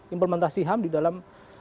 implementasi ham di dalam